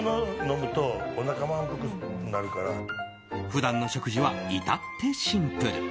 普段の食事は至ってシンプル。